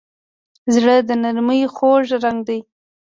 زړه د نرمۍ خوږ رنګ دی.